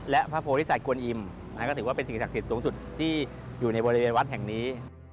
และพระโพธิสัยกวนอิ่มก็ถือว่าเป็นสิ่งศักดิ์สิทธิ์สูงสุดที่อยู่ในบริเวณวัดแห่งนี้